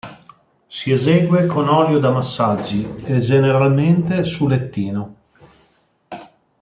Si esegue con olio da massaggi e generalmente su lettino.